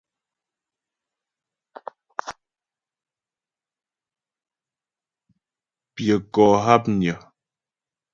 Pyə̂ kó hápnyə́.